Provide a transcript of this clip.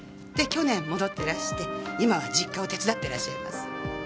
で去年戻っていらして今は実家を手伝っていらっしゃいます。